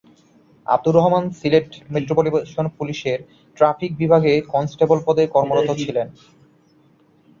Abdur Rahman Sylhet metropolitan পুলিশের traffic বিভাগে constable পদে কর্মরত ছিলেন।